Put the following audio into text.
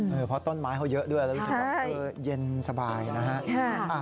เพราะต้นไม้เขาเยอะด้วยแล้วรู้สึกว่าเย็นสบายนะฮะ